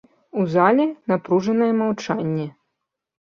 У зале напружанае маўчанне.